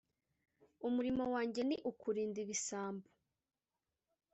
umurimo wanjye ni ukurinda ibisambo,